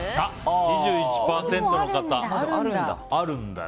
２１％の方があるんだよね。